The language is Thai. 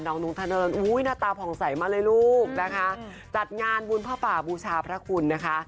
น้องนุ้งทะเนินอุ้ยหน้าตาผ่องใสมาเลยลูกนะคะจัดงานบุญพระป่าบูชาพระคุณนะคะ